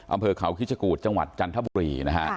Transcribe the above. อำเภอเขาคิชกูธจังหวัดจันทบุรีนะฮะ